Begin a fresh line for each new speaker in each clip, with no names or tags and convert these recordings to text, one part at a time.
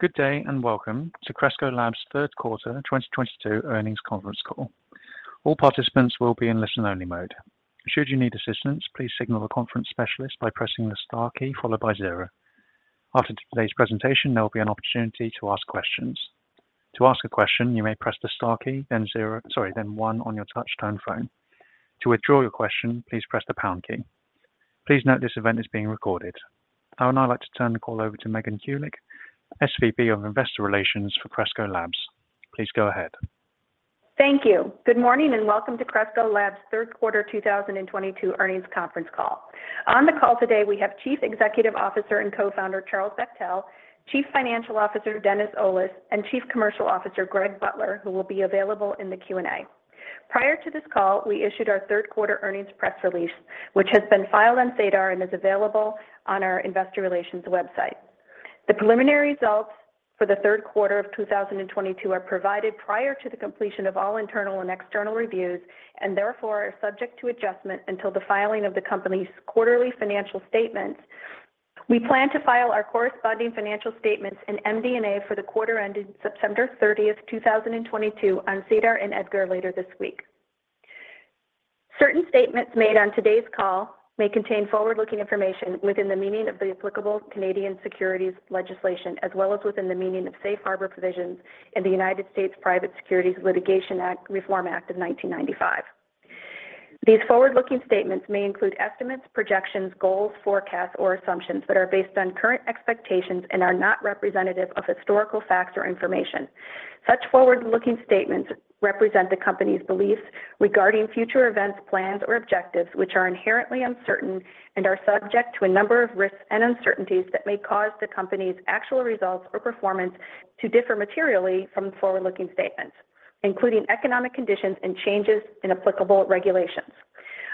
Good day, and welcome to Cresco Labs' third quarter 2022 earnings conference call. All participants will be in listen-only mode. Should you need assistance, please signal the conference specialist by pressing the star key followed by zero. After today's presentation, there will be an opportunity to ask questions. To ask a question, you may press the star key, then one on your touch-tone phone. To withdraw your question, please press the pound key. Please note this event is being recorded. I would now like to turn the call over to Megan Kulick, SVP of Investor Relations for Cresco Labs. Please go ahead.
Thank you. Good morning, and welcome to Cresco Labs' third quarter 2022 earnings conference call. On the call today, we have Chief Executive Officer and Co-founder, Charles Bachtell, Chief Financial Officer, Dennis Olis, and Chief Commercial Officer, Greg Butler, who will be available in the Q&A. Prior to this call, we issued our third quarter earnings press release, which has been filed on SEDAR and is available on our investor relations website. The preliminary results for the third quarter of 2022 are provided prior to the completion of all internal and external reviews, and therefore are subject to adjustment until the filing of the company's quarterly financial statements. We plan to file our corresponding financial statements and MD&A for the quarter ending September 30th, 2022 on SEDAR and EDGAR later this week. Certain statements made on today's call may contain forward-looking information within the meaning of the applicable Canadian securities legislation, as well as within the meaning of safe harbor provisions in the United States Private Securities Litigation Reform Act of 1995. These forward-looking statements may include estimates, projections, goals, forecasts, or assumptions that are based on current expectations and are not representative of historical facts or information. Such forward-looking statements represent the company's beliefs regarding future events, plans, or objectives, which are inherently uncertain and are subject to a number of risks and uncertainties that may cause the company's actual results or performance to differ materially from the forward-looking statements, including economic conditions and changes in applicable regulations.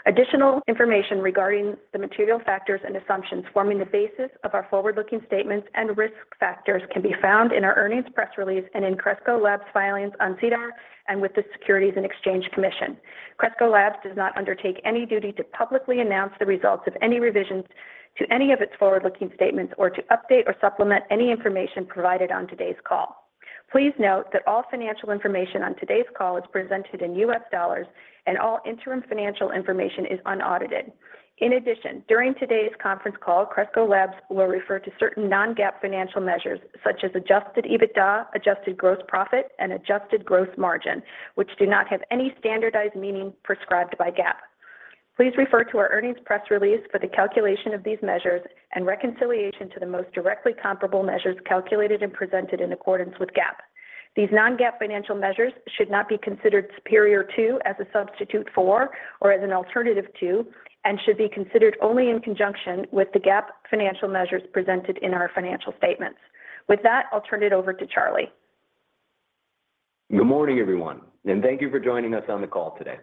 Additional information regarding the material factors and assumptions forming the basis of our forward-looking statements and risk factors can be found in our earnings press release and in Cresco Labs filings on SEDAR and with the Securities and Exchange Commission. Cresco Labs does not undertake any duty to publicly announce the results of any revisions to any of its forward-looking statements or to update or supplement any information provided on today's call. Please note that all financial information on today's call is presented in U.S. dollars and all interim financial information is unaudited. In addition, during today's conference call, Cresco Labs will refer to certain non-GAAP financial measures such as adjusted EBITDA, adjusted gross profit, and adjusted gross margin, which do not have any standardized meaning prescribed by GAAP. Please refer to our earnings press release for the calculation of these measures and reconciliation to the most directly comparable measures calculated and presented in accordance with GAAP. These non-GAAP financial measures should not be considered superior to, as a substitute for, or as an alternative to, and should be considered only in conjunction with the GAAP financial measures presented in our financial statements. With that, I'll turn it over to Charlie.
Good morning, everyone, and thank you for joining us on the call today.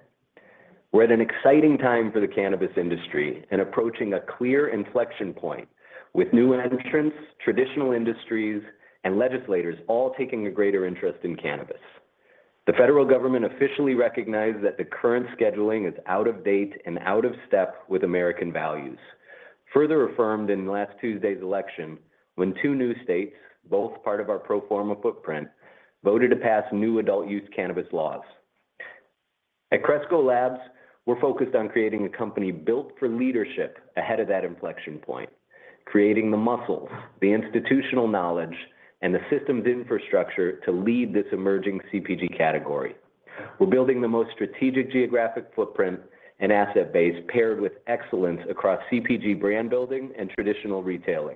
We're at an exciting time for the cannabis industry and approaching a clear inflection point with new entrants, traditional industries, and legislators all taking a greater interest in cannabis. The federal government officially recognized that the current scheduling is out of date and out of step with American values, further affirmed in last Tuesday's election when two new states, both part of our pro forma footprint, voted to pass new adult-use cannabis laws. At Cresco Labs, we're focused on creating a company built for leadership ahead of that inflection point, creating the muscles, the institutional knowledge, and the systems infrastructure to lead this emerging CPG category. We're building the most strategic geographic footprint and asset base paired with excellence across CPG brand building and traditional retailing.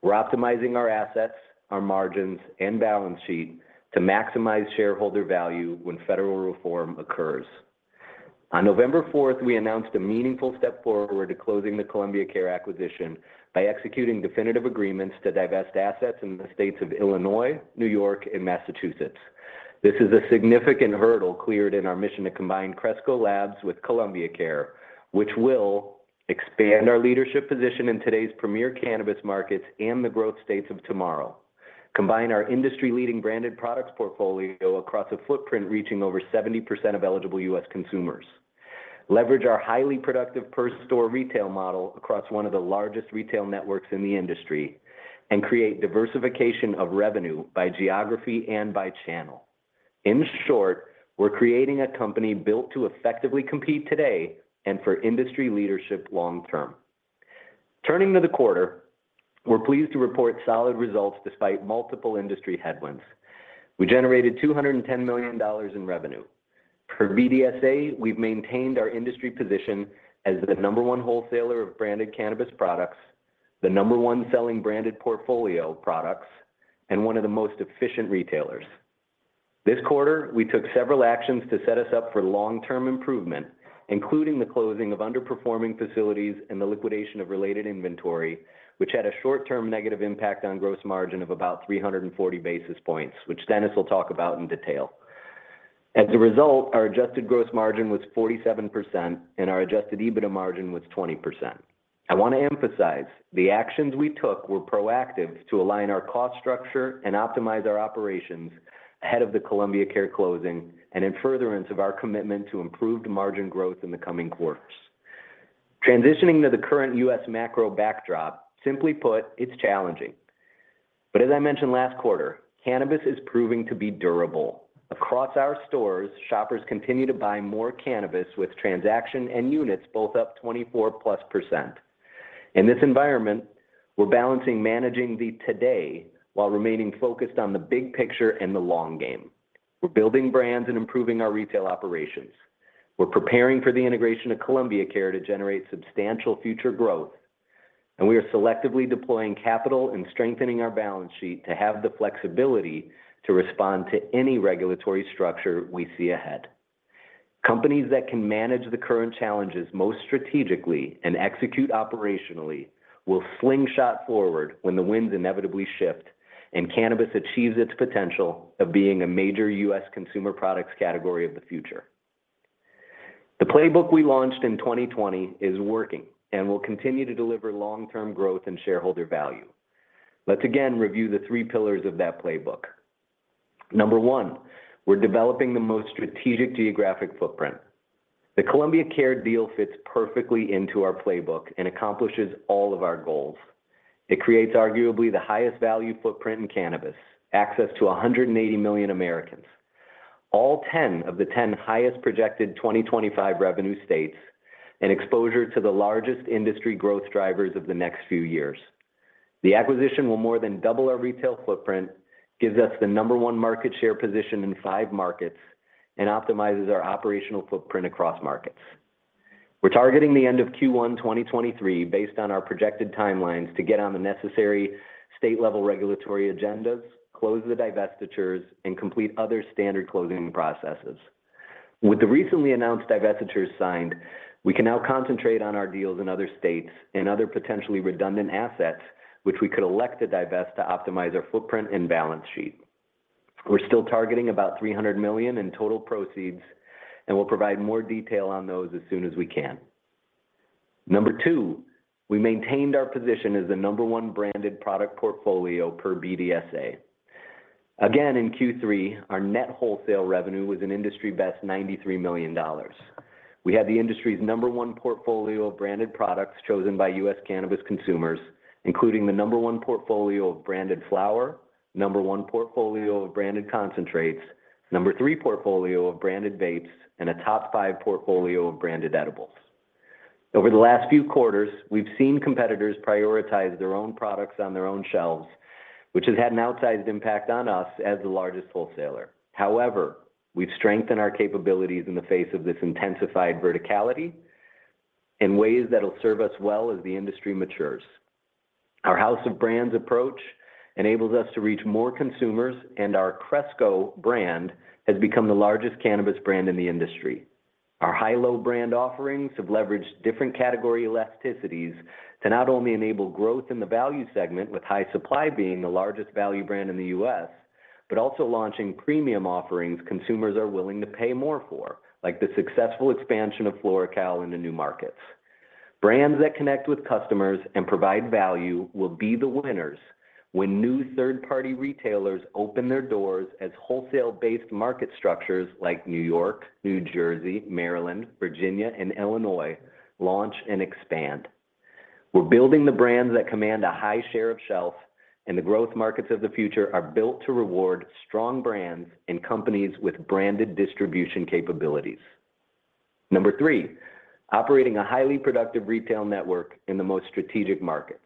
We're optimizing our assets, our margins, and balance sheet to maximize shareholder value when federal reform occurs. On November 4th, we announced a meaningful step forward to closing the Columbia Care acquisition by executing definitive agreements to divest assets in the states of Illinois, New York, and Massachusetts. This is a significant hurdle cleared in our mission to combine Cresco Labs with Columbia Care, which will expand our leadership position in today's premier cannabis markets and the growth states of tomorrow. Combine our industry-leading branded products portfolio across a footprint reaching over 70% of eligible U.S. consumers. Leverage our highly productive per store retail model across one of the largest retail networks in the industry, and create diversification of revenue by geography and by channel. In short, we're creating a company built to effectively compete today and for industry leadership long term. Turning to the quarter, we're pleased to report solid results despite multiple industry headwinds. We generated $210 million in revenue. Per BDSA, we've maintained our industry position as the number one wholesaler of branded cannabis products, the number one selling branded portfolio of products, and one of the most efficient retailers. This quarter, we took several actions to set us up for long-term improvement, including the closing of underperforming facilities and the liquidation of related inventory, which had a short-term negative impact on gross margin of about 340 basis points, which Dennis will talk about in detail. As a result, our adjusted gross margin was 47% and our adjusted EBITDA margin was 20%. I wanna emphasize, the actions we took were proactive to align our cost structure and optimize our operations ahead of the Columbia Care closing and in furtherance of our commitment to improved margin growth in the coming quarters. Transitioning to the current U.S. macro backdrop, simply put, it's challenging. As I mentioned last quarter, cannabis is proving to be durable. Across our stores, shoppers continue to buy more cannabis with transactions and units both up 24%+. In this environment, we're balancing managing the day-to-day while remaining focused on the big picture and the long game. We're building brands and improving our retail operations. We're preparing for the integration of Columbia Care to generate substantial future growth. We are selectively deploying capital and strengthening our balance sheet to have the flexibility to respond to any regulatory structure we see ahead. Companies that can manage the current challenges most strategically and execute operationally will slingshot forward when the winds inevitably shift and cannabis achieves its potential of being a major U.S. consumer products category of the future. The playbook we launched in 2020 is working and will continue to deliver long-term growth and shareholder value. Let's again review the three pillars of that playbook. Number one, we're developing the most strategic geographic footprint. The Columbia Care deal fits perfectly into our playbook and accomplishes all of our goals. It creates arguably the highest value footprint in cannabis, access to 180 million Americans, all 10 of the 10 highest projected 2025 revenue states, and exposure to the largest industry growth drivers of the next few years. The acquisition will more than double our retail footprint, gives us the number one market share position in five markets, and optimizes our operational footprint across markets. We're targeting the end of Q1 2023 based on our projected timelines to get on the necessary state-level regulatory agendas, close the divestitures, and complete other standard closing processes. With the recently announced divestitures signed, we can now concentrate on our deals in other states and other potentially redundant assets which we could elect to divest to optimize our footprint and balance sheet. We're still targeting about $300 million in total proceeds, and we'll provide more detail on those as soon as we can. Number two, we maintained our position as the number one branded product portfolio per BDSA. Again, in Q3, our net wholesale revenue was an industry-best $93 million. We had the industry's number one portfolio of branded products chosen by U.S. cannabis consumers, including the number one portfolio of branded flower, number one portfolio of branded concentrates, number three portfolio of branded vapes, and a top five portfolio of branded edibles. Over the last few quarters, we've seen competitors prioritize their own products on their own shelves, which has had an outsized impact on us as the largest wholesaler. However, we've strengthened our capabilities in the face of this intensified verticality in ways that'll serve us well as the industry matures. Our house of brands approach enables us to reach more consumers, and our Cresco brand has become the largest cannabis brand in the industry. Our high-low brand offerings have leveraged different category elasticities to not only enable growth in the value segment, with High Supply being the largest value brand in the U.S., but also launching premium offerings consumers are willing to pay more for, like the successful expansion of FloraCal into new markets. Brands that connect with customers and provide value will be the winners when new third-party retailers open their doors as wholesale-based market structures like New York, New Jersey, Maryland, Virginia, and Illinois launch and expand. We're building the brands that command a high share of shelf, and the growth markets of the future are built to reward strong brands and companies with branded distribution capabilities. Number three, operating a highly productive retail network in the most strategic markets.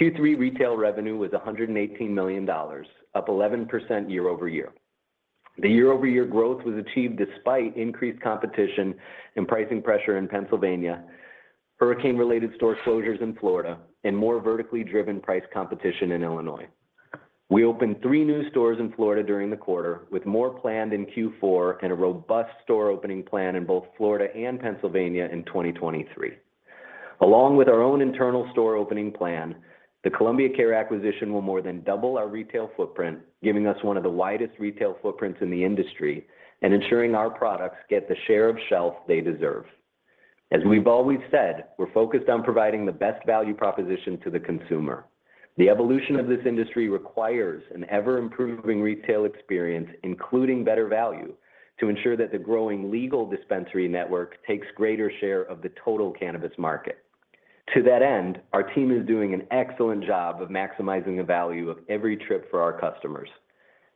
Q3 retail revenue was $118 million, up 11% year-over-year. The year-over-year growth was achieved despite increased competition and pricing pressure in Pennsylvania, hurricane-related store closures in Florida, and more vertically driven price competition in Illinois. We opened three new stores in Florida during the quarter, with more planned in Q4 and a robust store opening plan in both Florida and Pennsylvania in 2023. Along with our own internal store opening plan, the Columbia Care acquisition will more than double our retail footprint, giving us one of the widest retail footprints in the industry and ensuring our products get the share of shelf they deserve. As we've always said, we're focused on providing the best value proposition to the consumer. The evolution of this industry requires an ever-improving retail experience, including better value, to ensure that the growing legal dispensary network takes greater share of the total cannabis market. To that end, our team is doing an excellent job of maximizing the value of every trip for our customers.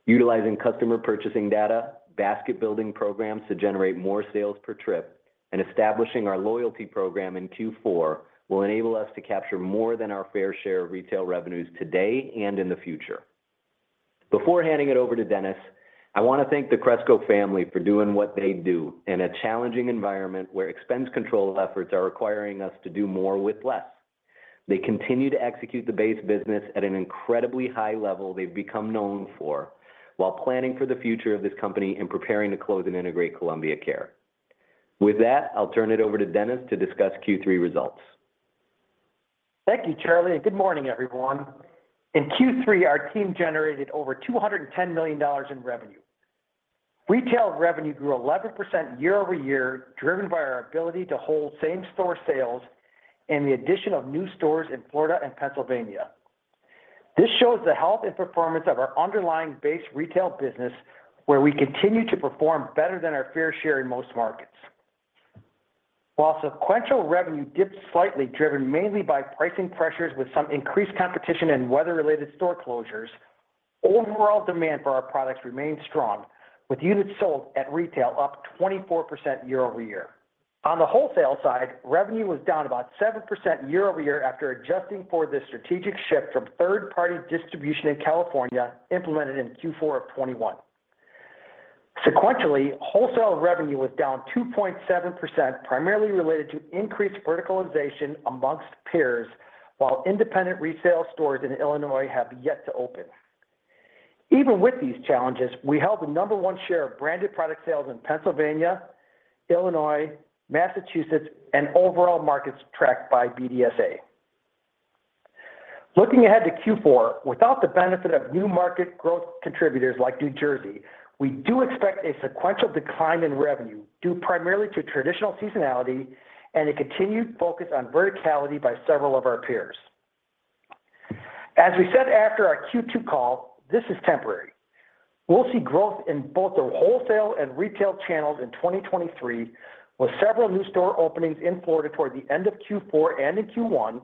Utilizing customer purchasing data, basket building programs to generate more sales per trip, and establishing our loyalty program in Q4 will enable us to capture more than our fair share of retail revenues today and in the future. Before handing it over to Dennis, I want to thank the Cresco family for doing what they do in a challenging environment where expense control efforts are requiring us to do more with less. They continue to execute the base business at an incredibly high level they've become known for while planning for the future of this company and preparing to close and integrate Columbia Care. With that, I'll turn it over to Dennis to discuss Q3 results.
Thank you, Charlie, and good morning, everyone. In Q3, our team generated over $210 million in revenue. Retail revenue grew 11% year-over-year, driven by our ability to hold same-store sales and the addition of new stores in Florida and Pennsylvania. This shows the health and performance of our underlying base retail business, where we continue to perform better than our fair share in most markets. While sequential revenue dipped slightly, driven mainly by pricing pressures with some increased competition and weather-related store closures, overall demand for our products remained strong, with units sold at retail up 24% year-over-year. On the wholesale side, revenue was down about 7% year-over-year after adjusting for the strategic shift from third-party distribution in California implemented in Q4 of 2021. Sequentially, wholesale revenue was down 2.7%, primarily related to increased verticalization among peers, while independent resale stores in Illinois have yet to open. Even with these challenges, we held the number one share of branded product sales in Pennsylvania, Illinois, Massachusetts, and overall markets tracked by BDSA. Looking ahead to Q4, without the benefit of new market growth contributors like New Jersey, we do expect a sequential decline in revenue due primarily to traditional seasonality and a continued focus on verticality by several of our peers. As we said after our Q2 call, this is temporary. We'll see growth in both the wholesale and retail channels in 2023, with several new store openings in Florida toward the end of Q4 and in Q1,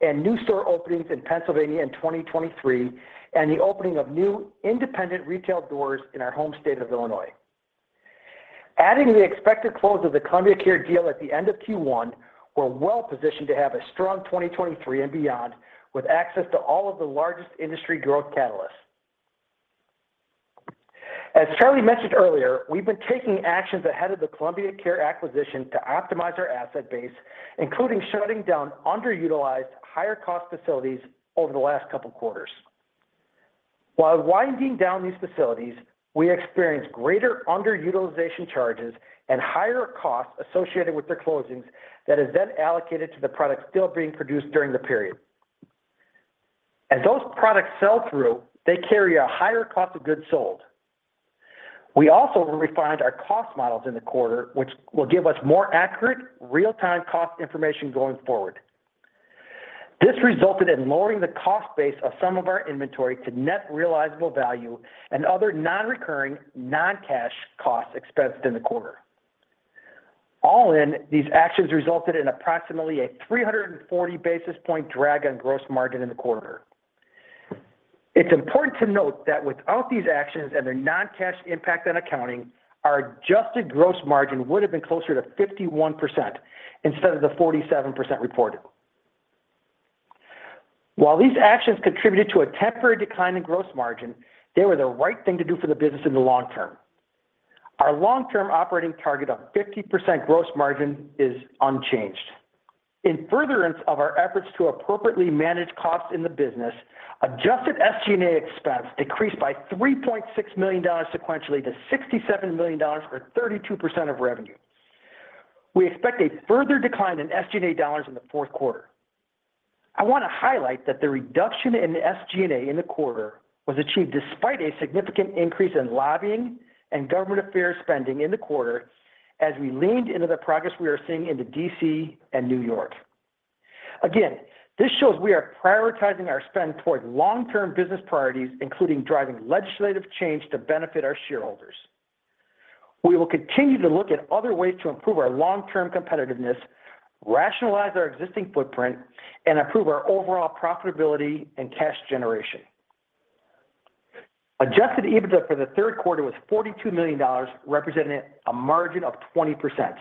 and new store openings in Pennsylvania in 2023, and the opening of new independent retail doors in our home state of Illinois. Adding the expected close of the Columbia Care deal at the end of Q1, we're well-positioned to have a strong 2023 and beyond, with access to all of the largest industry growth catalysts. As Charlie mentioned earlier, we've been taking actions ahead of the Columbia Care acquisition to optimize our asset base, including shutting down underutilized higher-cost facilities over the last couple quarters. While winding down these facilities, we experienced greater underutilization charges and higher costs associated with their closings that is then allocated to the products still being produced during the period. As those products sell through, they carry a higher cost of goods sold. We also refined our cost models in the quarter, which will give us more accurate real-time cost information going forward. This resulted in lowering the cost base of some of our inventory to net realizable value and other non-recurring, non-cash costs expensed in the quarter. All in, these actions resulted in approximately a 340 basis point drag on gross margin in the quarter. It's important to note that without these actions and their non-cash impact on accounting, our adjusted gross margin would have been closer to 51% instead of the 47% reported. While these actions contributed to a temporary decline in gross margin, they were the right thing to do for the business in the long term. Our long-term operating target of 50% gross margin is unchanged. In furtherance of our efforts to appropriately manage costs in the business, adjusted SG&A expense decreased by $3.6 million sequentially to $67 million, or 32% of revenue. We expect a further decline in SG&A dollars in the fourth quarter. I want to highlight that the reduction in the SG&A in the quarter was achieved despite a significant increase in lobbying and government affairs spending in the quarter as we leaned into the progress we are seeing in the D.C. and New York. This shows we are prioritizing our spend toward long-term business priorities, including driving legislative change to benefit our shareholders. We will continue to look at other ways to improve our long-term competitiveness, rationalize our existing footprint, and improve our overall profitability and cash generation. Adjusted EBITDA for the third quarter was $42 million, representing a margin of 20%.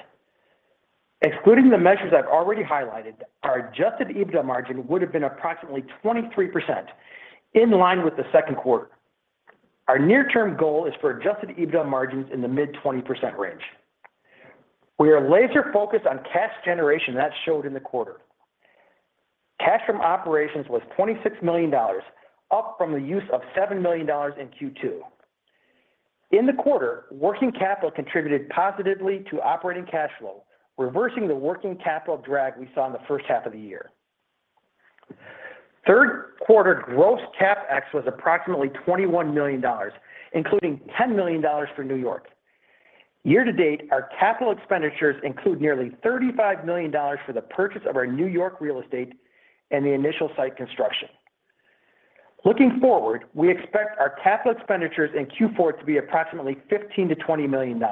Excluding the measures I've already highlighted, our adjusted EBITDA margin would have been approximately 23% in line with the second quarter. Our near-term goal is for adjusted EBITDA margins in the mid-20% range. We are laser-focused on cash generation that's shown in the quarter. Cash from operations was $26 million, up from the use of $7 million in Q2. In the quarter, working capital contributed positively to operating cash flow, reversing the working capital drag we saw in the first half of the year. Third quarter gross CapEx was approximately $21 million, including $10 million for New York. Year-to-date, our capital expenditures include nearly $35 million for the purchase of our New York real estate and the initial site construction. Looking forward, we expect our capital expenditures in Q4 to be approximately $15 million-$20 million.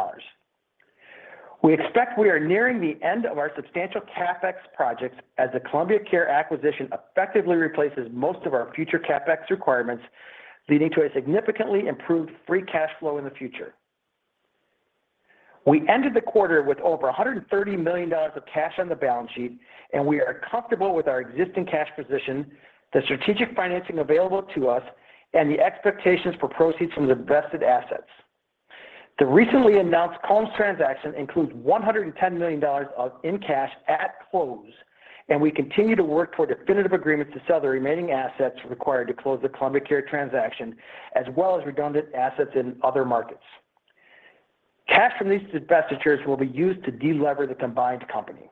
We expect we are nearing the end of our substantial CapEx projects as the Columbia Care acquisition effectively replaces most of our future CapEx requirements, leading to a significantly improved free cash flow in the future. We ended the quarter with over $130 million of cash on the balance sheet, and we are comfortable with our existing cash position, the strategic financing available to us, and the expectations for proceeds from the invested assets. The recently announced Combs' transaction includes $110 million of in cash at close, and we continue to work toward definitive agreements to sell the remaining assets required to close the Columbia Care transaction, as well as redundant assets in other markets. Cash from these divestitures will be used to de-lever the combined company.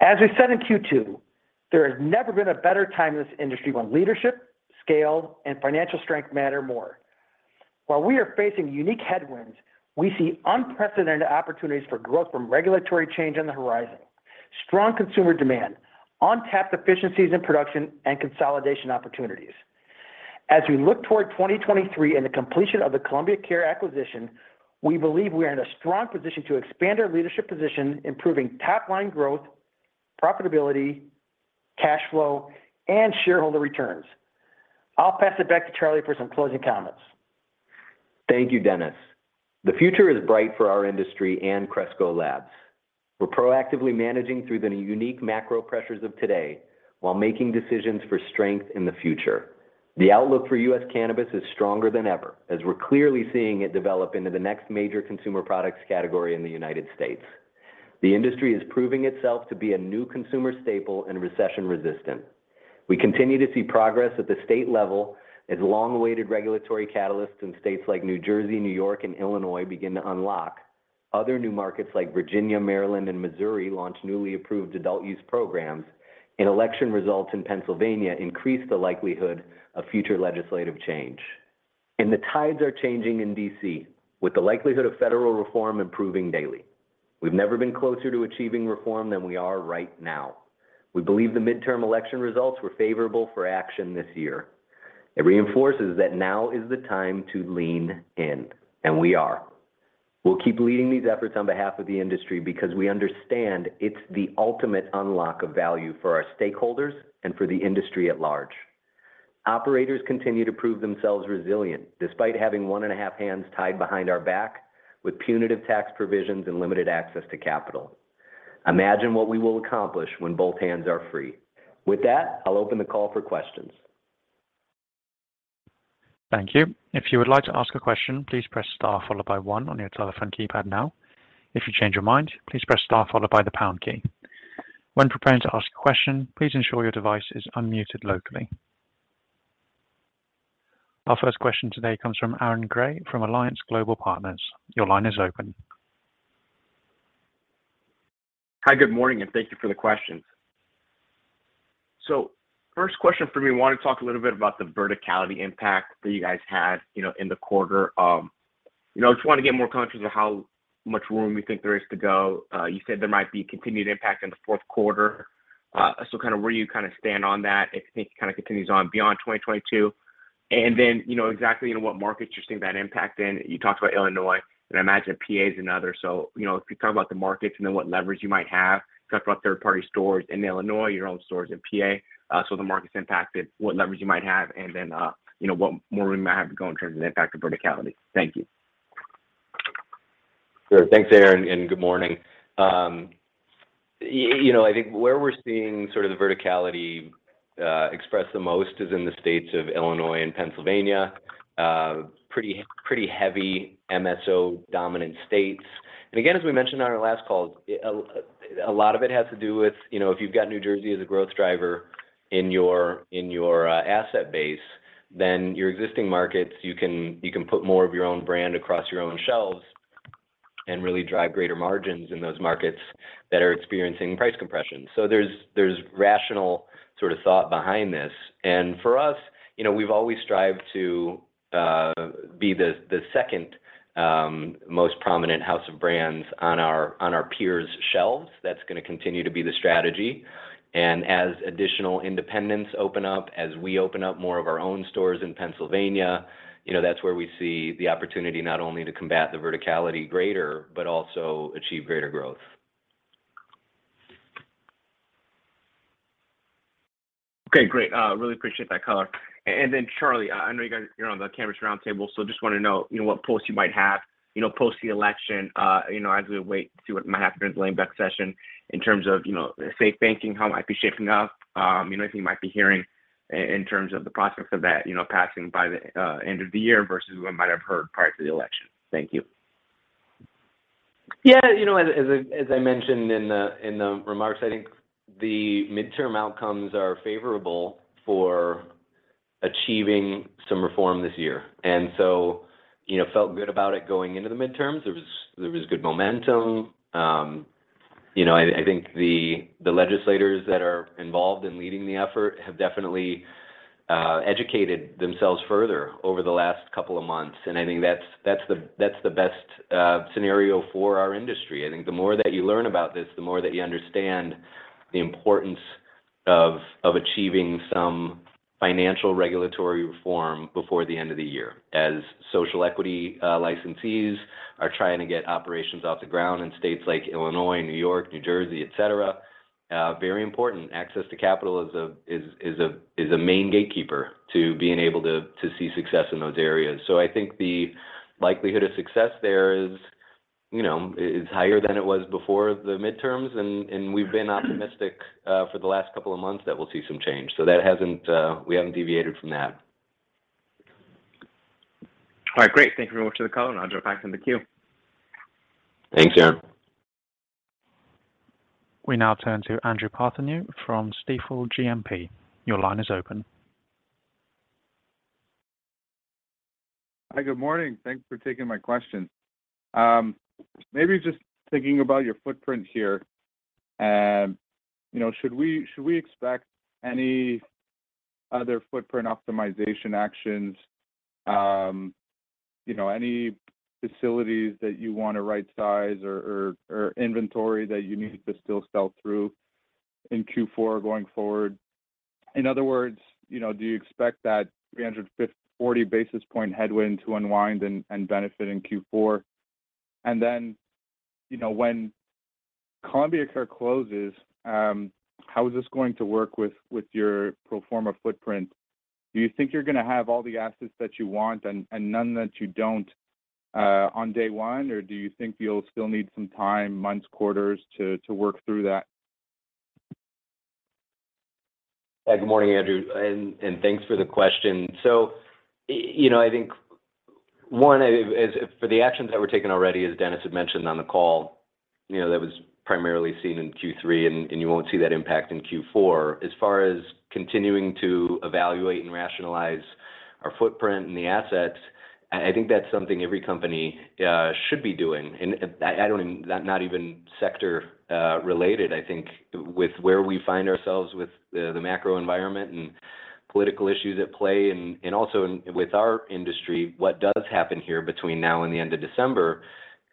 As we said in Q2, there has never been a better time in this industry when leadership, scale, and financial strength matter more. While we are facing unique headwinds, we see unprecedented opportunities for growth from regulatory change on the horizon, strong consumer demand, untapped efficiencies in production, and consolidation opportunities. As we look toward 2023 and the completion of the Columbia Care acquisition, we believe we are in a strong position to expand our leadership position, improving top-line growth, profitability, cash flow, and shareholder returns. I'll pass it back to Charlie for some closing comments.
Thank you, Dennis. The future is bright for our industry and Cresco Labs. We're proactively managing through the unique macro pressures of today while making decisions for strength in the future. The outlook for U.S. cannabis is stronger than ever, as we're clearly seeing it develop into the next major consumer products category in the United States. The industry is proving itself to be a new consumer staple and recession-resistant. We continue to see progress at the state level as long-awaited regulatory catalysts in states like New Jersey, New York and Illinois begin to unlock. Other new markets like Virginia, Maryland and Missouri launch newly approved adult-use programs, and election results in Pennsylvania increase the likelihood of future legislative change. The tides are changing in D.C., with the likelihood of federal reform improving daily. We've never been closer to achieving reform than we are right now. We believe the midterm election results were favorable for action this year. It reinforces that now is the time to lean in, and we are. We'll keep leading these efforts on behalf of the industry because we understand it's the ultimate unlock of value for our stakeholders and for the industry at large. Operators continue to prove themselves resilient despite having one and a half hands tied behind our back with punitive tax provisions and limited access to capital. Imagine what we will accomplish when both hands are free. With that, I'll open the call for questions.
Thank you. If you would like to ask a question, please press star followed by one on your telephone keypad now. If you change your mind, please press star followed by the pound key. When preparing to ask a question, please ensure your device is unmuted locally. Our first question today comes from Aaron Grey from Alliance Global Partners. Your line is open.
Hi, good morning, and thank you for the questions. First question from me, want to talk a little bit about the vertical integration impact that you guys had, you know, in the quarter. You know, just want to get more conscious of how much room you think there is to go. You said there might be continued impact in the fourth quarter. Kind of where you kind of stand on that, if you think it kind of continues on beyond 2022. You know, exactly in what markets you're seeing that impact in. You talked about Illinois, and I imagine PA is another. You know, if you could talk about the markets and then what leverage you might have. Talk about third-party stores in Illinois, your own stores in PA. The markets impacted, what leverage you might have, and then, you know, what more room you might have to go in terms of the impact of verticality. Thank you.
Sure. Thanks, Aaron, and good morning. You know, I think where we're seeing sort of the verticality expressed the most is in the states of Illinois and Pennsylvania. Pretty heavy MSO-dominant states. Again, as we mentioned on our last call, a lot of it has to do with, you know, if you've got New Jersey as a growth driver in your asset base, then your existing markets, you can put more of your own brand across your own shelves and really drive greater margins in those markets that are experiencing price compression. There's rational sort of thought behind this. For us, you know, we've always strived to be the second most prominent house of brands on our peers' shelves. That's gonna continue to be the strategy. As additional independents open up, as we open up more of our own stores in Pennsylvania, you know, that's where we see the opportunity not only to combat the verticality greater, but also achieve greater growth.
Okay, great. Really appreciate that color. Charlie, I know you guys, you're on the cannabis roundtable, so just want to know, you know, what pulse you might have, you know, post the election, you know, as we wait to see what might happen during the lame duck session in terms of, you know, safe banking, how it might be shaping up. You know, if you might be hearing in terms of the prospects of that, you know, passing by the end of the year versus what might have heard prior to the election? Thank you.
Yeah, you know, as I mentioned in the remarks, I think the midterm outcomes are favorable for achieving some reform this year, and so, you know, felt good about it going into the midterms. There was good momentum. You know, I think the legislators that are involved in leading the effort have definitely educated themselves further over the last couple of months, and I think that's the best scenario for our industry. I think the more that you learn about this, the more that you understand the importance of achieving some financial regulatory reform before the end of the year, as social equity licensees are trying to get operations off the ground in states like Illinois, New York, New Jersey, etc. Very important. Access to capital is a main gatekeeper to being able to see success in those areas. I think the likelihood of success there is, you know, higher than it was before the midterms, and we've been optimistic for the last couple of months that we'll see some change. That hasn't, we haven't deviated from that.
All right, great. Thank you very much for the call, and I'll drop back in the queue.
Thanks, Aaron.
We now turn to Andrew Partheniou from Stifel GMP. Your line is open.
Hi, good morning. Thanks for taking my question. Maybe just thinking about your footprint here, you know, should we expect any other footprint optimization actions, you know, any facilities that you want to right size or inventory that you need to still sell through in Q4 going forward? In other words, you know, do you expect that 340 basis point headwind to unwind and benefit in Q4? Then, you know, when Columbia Care closes, how is this going to work with your pro forma footprint? Do you think you're gonna have all the assets that you want and none that you don't on day one? Or do you think you'll still need some time, months, quarters to work through that?
Yeah. Good morning, Andrew, and thanks for the question. You know, I think one is for the actions that were taken already, as Dennis had mentioned on the call, you know, that was primarily seen in Q3 and you won't see that impact in Q4. As far as continuing to evaluate and rationalize our footprint and the assets, I think that's something every company should be doing. Not even sector related. I think with where we find ourselves with the macro environment and political issues at play and also with our industry, what does happen here between now and the end of December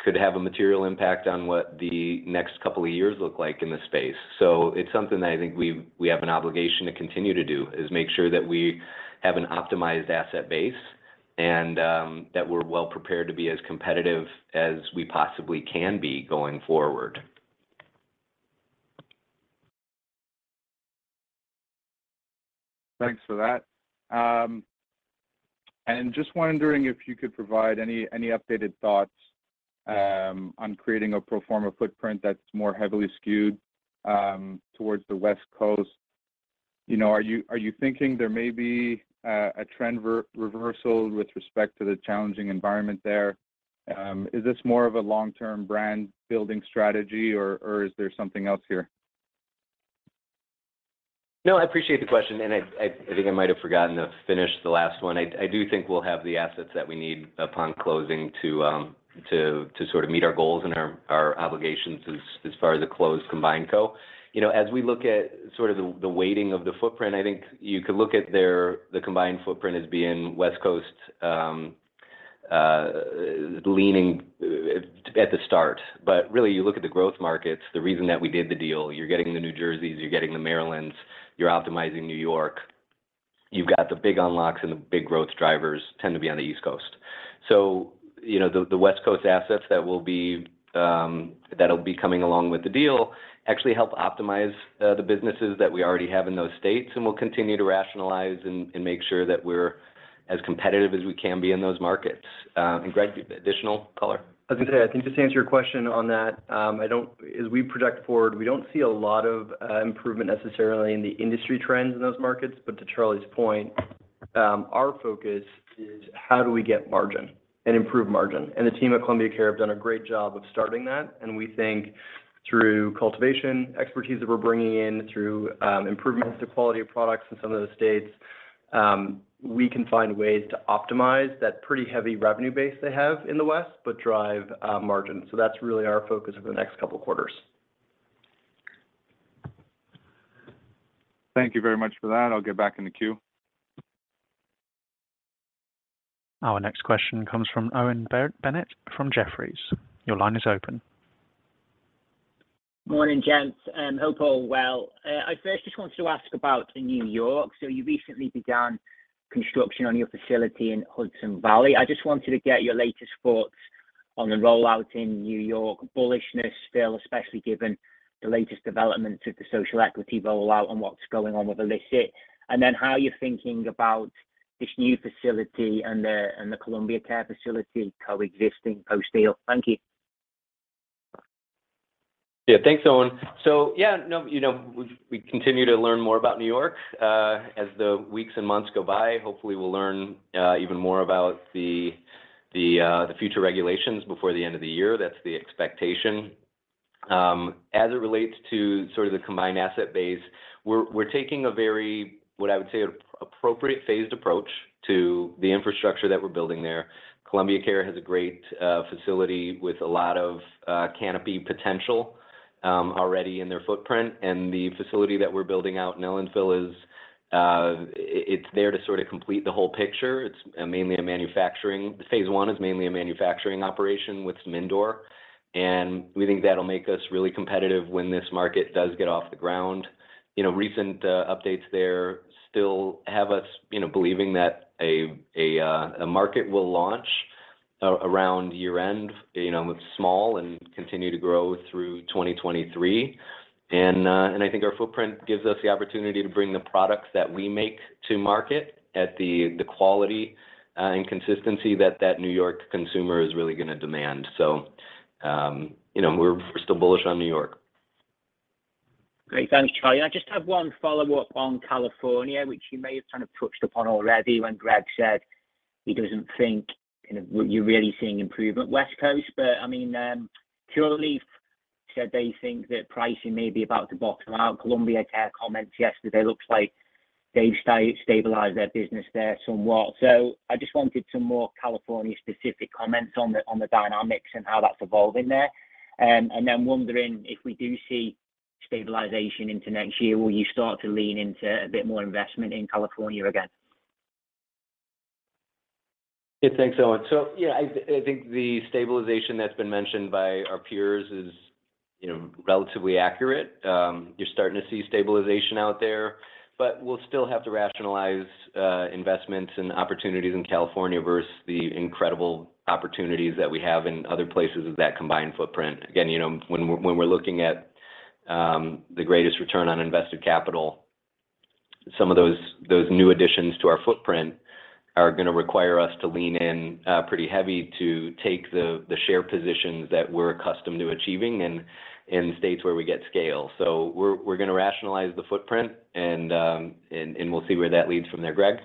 could have a material impact on what the next couple of years look like in the space. It's something that I think we have an obligation to continue to do, is make sure that we have an optimized asset base and that we're well prepared to be as competitive as we possibly can be going forward.
Thanks for that. Just wondering if you could provide any updated thoughts on creating a pro forma footprint that's more heavily skewed towards the West Coast. Are you thinking there may be a trend reversal with respect to the challenging environment there? Is this more of a long-term brand building strategy or is there something else here?
No, I appreciate the question, and I think I might have forgotten to finish the last one. I do think we'll have the assets that we need upon closing to sort of meet our goals and our obligations as far as the closed combined co. You know, as we look at sort of the weighting of the footprint, I think you could look at the combined footprint as being West Coast leaning at the start. Really, you look at the growth markets, the reason that we did the deal, you're getting the New Jersey, you're getting the Maryland, you're optimizing New York, you've got the big unlocks, and the big growth drivers tend to be on the East Coast. You know, the West Coast assets that'll be coming along with the deal actually help optimize the businesses that we already have in those states, and we'll continue to rationalize and make sure that we're as competitive as we can be in those markets. Greg, additional color?
I was gonna say, I think just to answer your question on that, as we project forward, we don't see a lot of improvement necessarily in the industry trends in those markets. To Charles's point, our focus is how do we get margin and improve margin. The team at Columbia Care have done a great job of starting that. We think through cultivation expertise that we're bringing in, through improvements to quality of products in some of the states, we can find ways to optimize that pretty heavy revenue base they have in the West, but drive margin. That's really our focus over the next couple of quarters.
Thank you very much for that. I'll get back in the queue.
Our next question comes from Owen Bennett from Jefferies. Your line is open.
Morning, gents. Hope all well. I first just wanted to ask about New York. You recently began construction on your facility in Hudson Valley. I just wanted to get your latest thoughts on the rollout in New York. Bullishness still, especially given the latest developments with the social equity rollout and what's going on with illicit. Then how you're thinking about this new facility and the Columbia Care facility coexisting post-deal. Thank you.
Yeah. Thanks, Owen. Yeah, we continue to learn more about New York as the weeks and months go by. Hopefully, we'll learn even more about the future regulations before the end of the year. That's the expectation. As it relates to sort of the combined asset base, we're taking a very, what I would say, appropriate phased approach to the infrastructure that we're building there. Columbia Care has a great facility with a lot of canopy potential already in their footprint. The facility that we're building out in Ellenville is there to sort of complete the whole picture. It's mainly a manufacturing. Phase I is mainly a manufacturing operation with some indoor, and we think that'll make us really competitive when this market does get off the ground. You know, recent updates there still have us, you know, believing that a market will launch around year-end, you know, with small and continue to grow through 2023. I think our footprint gives us the opportunity to bring the products that we make to market at the quality and consistency that New York consumer is really gonna demand. You know, we're still bullish on New York.
Great. Thanks, Charlie. I just have one follow-up on California, which you may have kind of touched upon already when Greg said he doesn't think you're really seeing improvement West Coast. But I mean, pureLeaf said they think that pricing may be about to bottom out. Columbia Care comments yesterday looks like they've stabilized their business there somewhat. So I just wanted some more California specific comments on the dynamics and how that's evolving there. Then wondering if we do see stabilization into next year, will you start to lean into a bit more investment in California again?
Yeah, thanks, Owen. I think the stabilization that's been mentioned by our peers is, you know, relatively accurate. You're starting to see stabilization out there, but we'll still have to rationalize investments and opportunities in California versus the incredible opportunities that we have in other places of that combined footprint. Again, you know, when we're looking at the greatest return on invested capital, some of those new additions to our footprint are gonna require us to lean in pretty heavy to take the share positions that we're accustomed to achieving in states where we get scale. We're gonna rationalize the footprint and we'll see where that leads from there. Greg?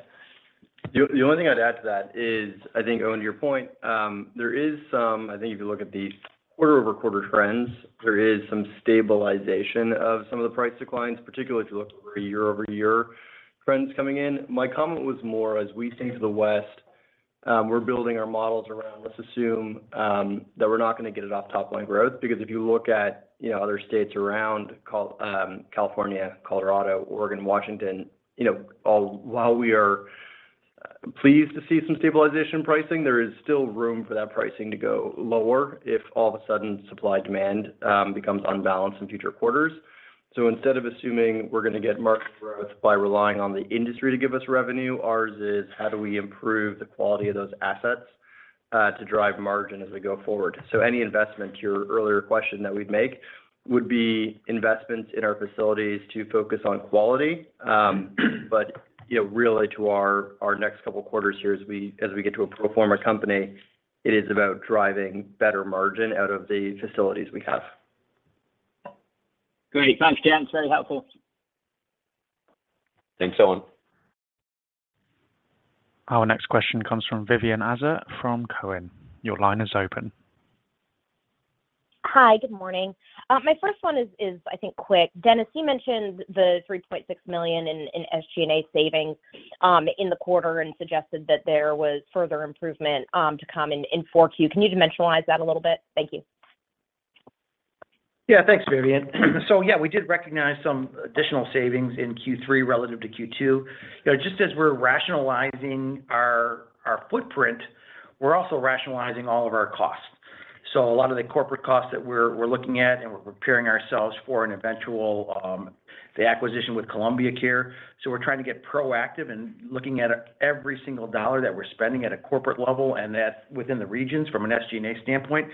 The only thing I'd add to that is I think, Owen, to your point, I think if you look at the quarter-over-quarter trends, there is some stabilization of some of the price declines, particularly if you look over a year-over-year trends coming in. My comment was more as we think to the west, we're building our models around, let's assume, that we're not gonna get a lot of top-line growth. Because if you look at, you know, other states around California, Colorado, Oregon, Washington, you know, all while we are pleased to see some stabilization in pricing, there is still room for that pricing to go lower if all of a sudden supply and demand becomes unbalanced in future quarters. Instead of assuming we're gonna get market growth by relying on the industry to give us revenue, ours is how do we improve the quality of those assets, to drive margin as we go forward. Any investment, to your earlier question, that we'd make would be investments in our facilities to focus on quality. You know, really to our next couple quarters here as we get to a pro forma company, it is about driving better margin out of the facilities we have.
Great. Thanks, gents. Very helpful.
Thanks, Owen.
Our next question comes from Vivien Azer from Cowen. Your line is open.
Hi. Good morning. My first one is I think quick. Dennis, you mentioned the $3.6 million in SG&A savings in the quarter and suggested that there was further improvement to come in 4Q. Can you dimensionalize that a little bit? Thank you.
Yeah. Thanks, Vivien. We did recognize some additional savings in Q3 relative to Q2. You know, just as we're rationalizing our footprint, we're also rationalizing all of our costs. A lot of the corporate costs that we're looking at and we're preparing ourselves for an eventual the acquisition with Columbia Care. We're trying to get proactive in looking at every single dollar that we're spending at a corporate level and that within the regions from an SG&A standpoint.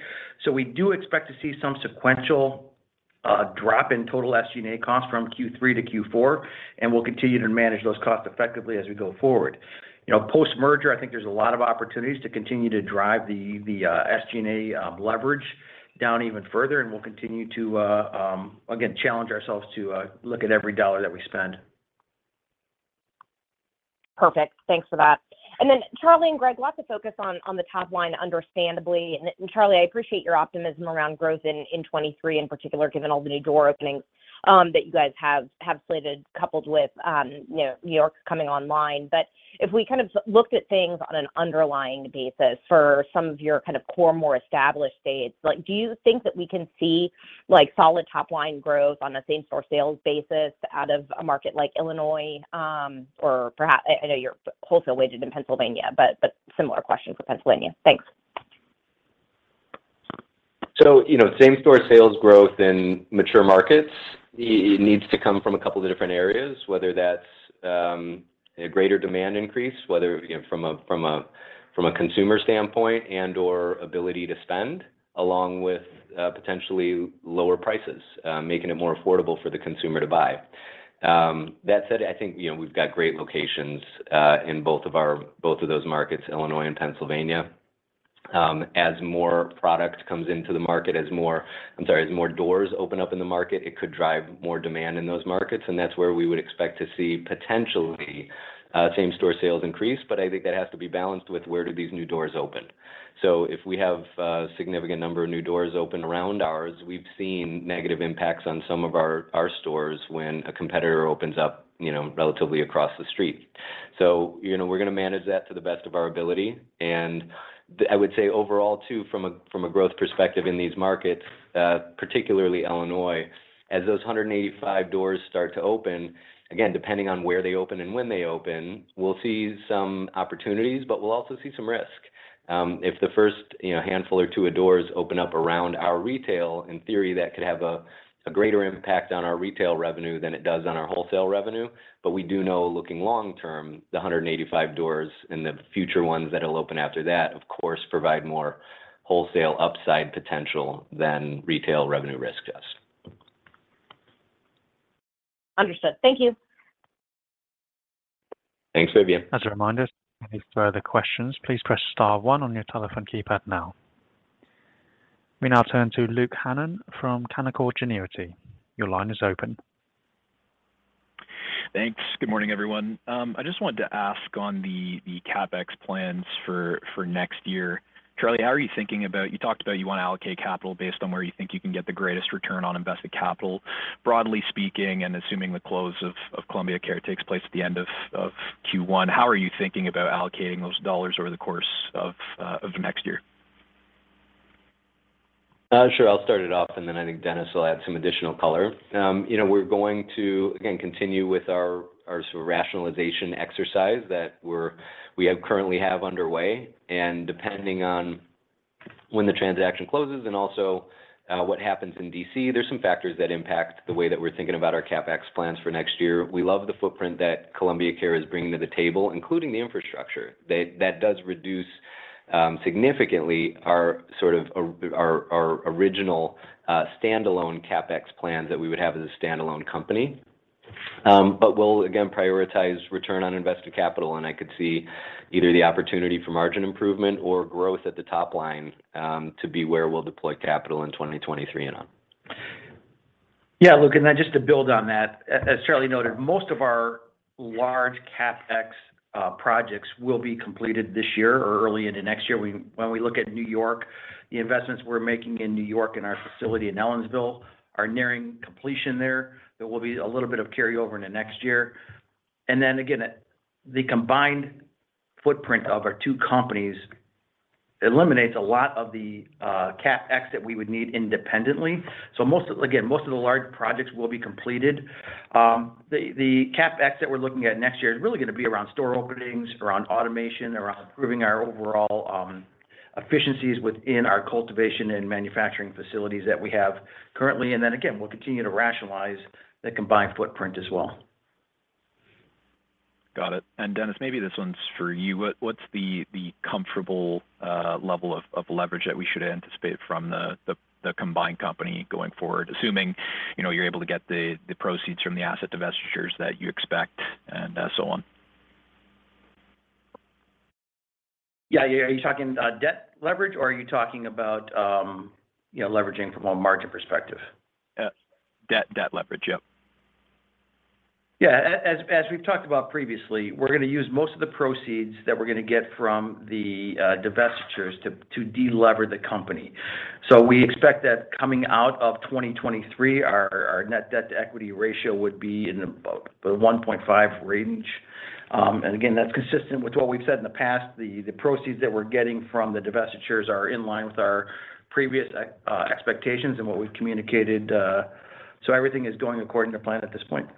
We do expect to see some sequential drop in total SG&A costs from Q3 to Q4, and we'll continue to manage those costs effectively as we go forward. You know, post-merger, I think there's a lot of opportunities to continue to drive the SG&A leverage down even further, and we'll continue to again challenge ourselves to look at every dollar that we spend.
Perfect. Thanks for that. Charlie and Greg, lots of focus on the top line understandably. Charlie, I appreciate your optimism around growth in 2023 in particular, given all the new door openings that you guys have slated coupled with you know, New York coming online. If we kind of looked at things on an underlying basis for some of your kind of core, more established states, like, do you think that we can see, like, solid top line growth on a same store sales basis out of a market like Illinois, or perhaps I know you're wholesale weighted in Pennsylvania, but similar question for Pennsylvania. Thanks.
You know, same store sales growth in mature markets, it needs to come from a couple of different areas, whether that's a greater demand increase, whether you know from a consumer standpoint and/or ability to spend, along with potentially lower prices, making it more affordable for the consumer to buy. That said, I think you know we've got great locations in both of those markets, Illinois and Pennsylvania. As more doors open up in the market, it could drive more demand in those markets, and that's where we would expect to see potentially same store sales increase. I think that has to be balanced with where do these new doors open. If we have a significant number of new doors open around ours, we've seen negative impacts on some of our stores when a competitor opens up, you know, relatively across the street. You know, we're gonna manage that to the best of our ability. I would say overall too, from a growth perspective in these markets, particularly Illinois, as those 185 doors start to open, again, depending on where they open and when they open, we'll see some opportunities, but we'll also see some risk. If the first, you know, handful or two of doors open up around our retail, in theory, that could have a greater impact on our retail revenue than it does on our wholesale revenue. We do know looking long term, the 185 doors and the future ones that'll open after that, of course, provide more wholesale upside potential than retail revenue risk to us.
Understood. Thank you.
Thanks, Vivien.
As a reminder, any further questions, please press star one on your telephone keypad now. We now turn to Luke Hannan from Canaccord Genuity. Your line is open.
Thanks. Good morning, everyone. I just wanted to ask on the CapEx plans for next year. Charlie, how are you thinking about. You talked about you wanna allocate capital based on where you think you can get the greatest return on invested capital. Broadly speaking, and assuming the close of Columbia Care takes place at the end of Q1, how are you thinking about allocating those dollars over the course of next year?
Sure. I'll start it off, and then I think Dennis will add some additional color. You know, we're going to again continue with our sort of rationalization exercise that we have currently underway. Depending on when the transaction closes and also what happens in D.C., there's some factors that impact the way that we're thinking about our CapEx plans for next year. We love the footprint that Columbia Care is bringing to the table, including the infrastructure. That does reduce significantly our sort of our original standalone CapEx plans that we would have as a standalone company. We'll again prioritize return on invested capital, and I could see either the opportunity for margin improvement or growth at the top line to be where we'll deploy capital in 2023 and on.
Yeah. Luke, then just to build on that, as Charlie noted, most of our large CapEx projects will be completed this year or early into next year. When we look at New York, the investments we're making in New York and our facility in Ellenville are nearing completion there. There will be a little bit of carryover into next year. Then again, the combined footprint of our two companies eliminates a lot of the CapEx that we would need independently. Most of the large projects will be completed. Again, most of the large projects will be completed. The CapEx that we're looking at next year is really gonna be around store openings, around automation, around improving our overall efficiencies within our cultivation and manufacturing facilities that we have currently. Then again, we'll continue to rationalize the combined footprint as well.
Got it. Dennis, maybe this one's for you. What's the comfortable level of leverage that we should anticipate from the combined company going forward, assuming you know you're able to get the proceeds from the asset divestitures that you expect and so on?
Yeah. Are you talking debt leverage or are you talking about you know, leveraging from a margin perspective?
Debt leverage, yeah.
As we've talked about previously, we're gonna use most of the proceeds that we're gonna get from the divestitures to de-lever the company. We expect that coming out of 2023, our net debt to equity ratio would be in about the 1.5 range. And again, that's consistent with what we've said in the past. The proceeds that we're getting from the divestitures are in line with our previous expectations and what we've communicated. Everything is going according to plan at this point.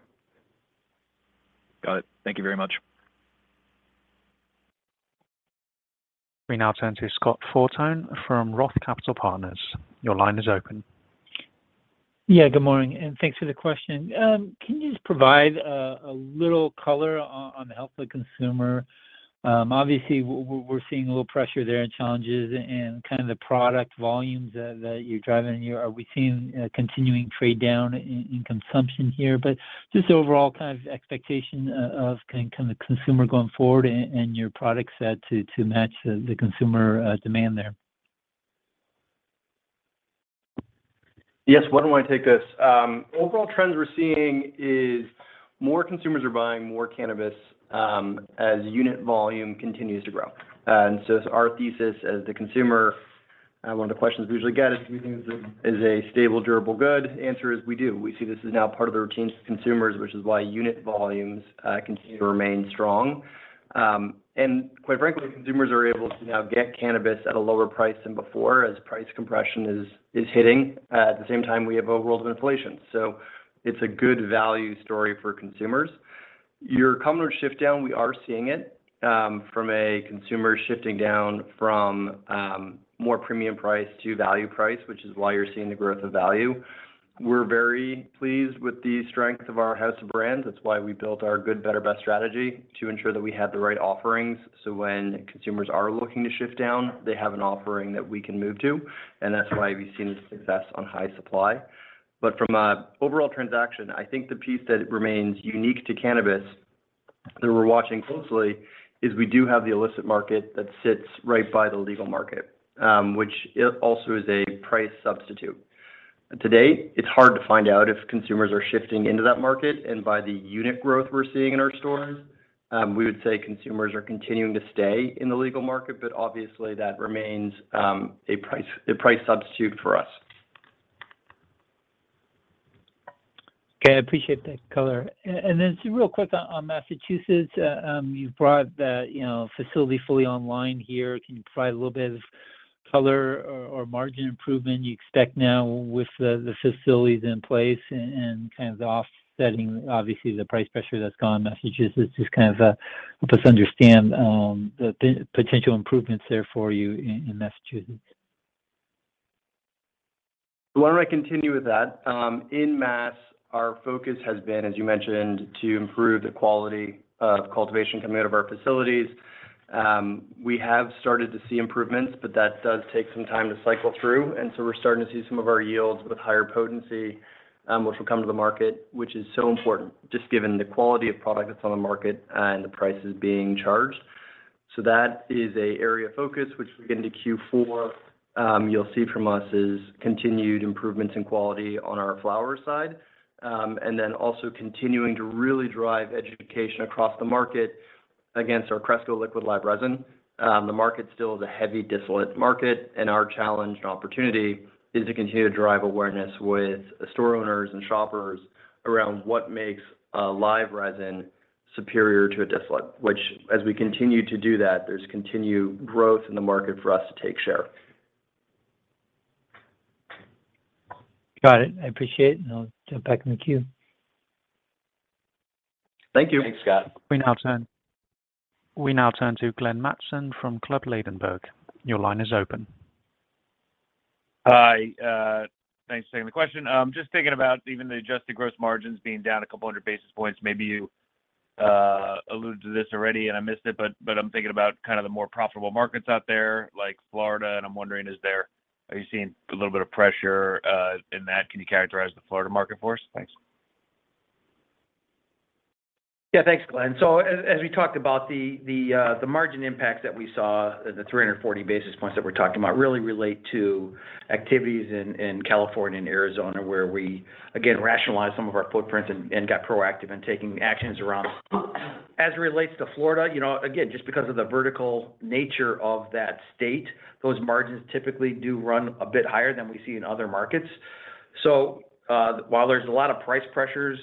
Got it. Thank you very much.
We now turn to Scott Fortune from Roth Capital Partners. Your line is open.
Yeah, good morning, and thanks for the question. Can you just provide a little color on the health of the consumer? Obviously we're seeing a little pressure there and challenges in kind of the product volumes that you're driving. Are we seeing a continuing trade-down in consumption here? Just overall kind of expectation of kind of consumer going forward and your product set to match the consumer demand there.
Yes. Why don't I take this? Overall trends we're seeing is more consumers are buying more cannabis, as unit volume continues to grow. Our thesis as the consumer, one of the questions we usually get is, do you think this is a stable, durable good? Answer is we do. We see this is now part of the routine to consumers, which is why unit volumes continue to remain strong. Quite frankly, consumers are able to now get cannabis at a lower price than before as price compression is hitting. At the same time, we have a world of inflation. It's a good value story for consumers. Your consumer shift down, we are seeing it, from consumers shifting down from more premium price to value price, which is why you're seeing the growth of value. We're very pleased with the strength of our house of brands. That's why we built our good, better, best strategy to ensure that we have the right offerings, so when consumers are looking to shift down, they have an offering that we can move to, and that's why we've seen the success on High Supply. From an overall transaction, I think the piece that remains unique to cannabis that we're watching closely is we do have the illicit market that sits right by the legal market, which also is a price substitute. To date, it's hard to find out if consumers are shifting into that market, and by the unit growth we're seeing in our stores, we would say consumers are continuing to stay in the legal market, but obviously that remains a price substitute for us.
Okay. I appreciate that color. Just real quick on Massachusetts, you've brought the, you know, facility fully online here. Can you provide a little bit of color or margin improvement you expect now with the facilities in place and kind of the offsetting, obviously, the price pressure that's gone in Massachusetts? Just kind of help us understand the potential improvements there for you in Massachusetts.
Why don't I continue with that? In Mass, our focus has been, as you mentioned, to improve the quality of cultivation coming out of our facilities. We have started to see improvements, but that does take some time to cycle through. We're starting to see some of our yields with higher potency, which will come to the market, which is so important just given the quality of product that's on the market and the prices being charged. That is an area of focus, which we get into Q4. You'll see from us continued improvements in quality on our flower side. Also continuing to really drive education across the market against our Cresco Liquid Live Resin. The market still is a heavy distillate market, and our challenge and opportunity is to continue to drive awareness with the store owners and shoppers around what makes a live resin superior to a distillate. Which as we continue to do that, there's continued growth in the market for us to take share.
Got it. I appreciate it, and I'll jump back in the queue.
Thank you.
Thanks, Scott.
We now turn to Glenn Mattson from Ladenburg Thalmann. Your line is open.
Hi, thanks for taking the question. Just thinking about even the adjusted gross margins being down a couple hundred basis points, maybe you alluded to this already, and I missed it, but I'm thinking about kind of the more profitable markets out there, like Florida, and I'm wondering, are you seeing a little bit of pressure in that? Can you characterize the Florida market for us? Thanks.
Yeah, thanks, Glenn. As we talked about, the margin impacts that we saw, the 340 basis points that we're talking about really relate to activities in California and Arizona, where we again rationalized some of our footprints and got proactive in taking actions around. As it relates to Florida, you know, again, just because of the vertical nature of that state, those margins typically do run a bit higher than we see in other markets. While there's a lot of price pressures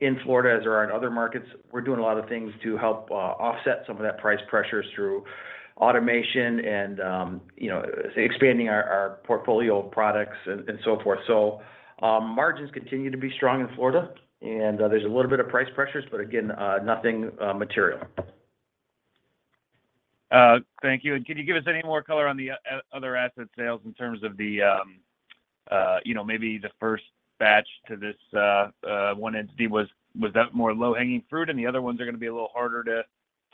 in Florida as there are in other markets, we're doing a lot of things to help offset some of that price pressures through automation and, you know, expanding our portfolio of products and so forth. Margins continue to be strong in Florida and there's a little bit of price pressures but again, nothing material.
Thank you. Can you give us any more color on the other asset sales in terms of the, you know, maybe the first batch to this one entity? Was that more low-hanging fruit and the other ones are gonna be a little harder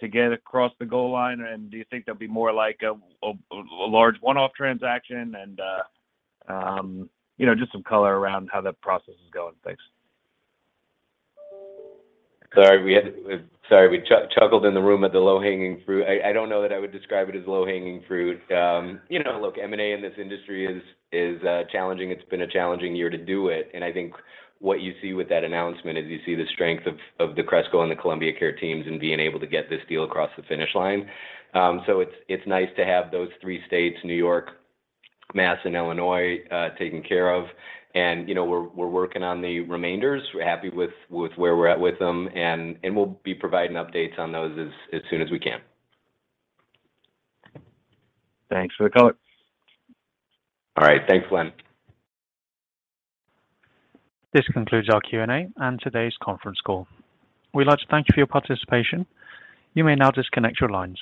to get across the goal line? Do you think there'll be more like a large one-off transaction and just some color around how that process is going? Thanks.
Sorry, we had chuckles in the room at the low-hanging fruit. I don't know that I would describe it as low-hanging fruit. You know, look, M&A in this industry is challenging. It's been a challenging year to do it, and I think what you see with that announcement is you see the strength of the Cresco and the Columbia Care teams in being able to get this deal across the finish line. It's nice to have those three states, New York, Massachusetts and Illinois, taken care of. You know, we're working on the remainders. We're happy with where we're at with them and we'll be providing updates on those as soon as we can.
Thanks for the color.
All right. Thanks, Glenn.
This concludes our Q&A and today's conference call. We'd like to thank you for your participation. You may now disconnect your lines.